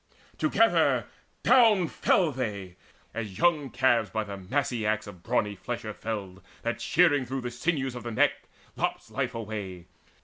Together down Fell they, as young calves by the massy axe Of brawny flesher felled, that, shearing through The sinews of the neck, lops life away.